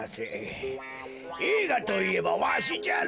えいがといえばわしじゃろ。